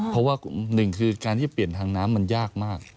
เพราะว่าหนึ่งคือการที่เปลี่ยนทางน้ำมันยากมาก